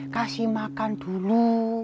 kasih makan dulu